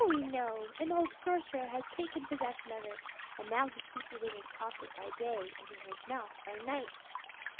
we know; an old sorcerer has taken possession of it, and now he keeps it in his pocket by day and in his mouth by night."